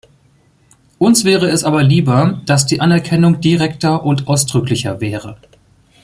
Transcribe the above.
Uns wäre es aber lieber, dass die Anerkennung direkter und ausdrücklicher wäre.